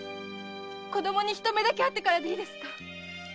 子どもに一目だけ会ってからでいいですか？